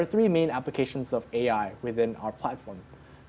jadi ada tiga aplikasi utama dari ai di dalam platform kami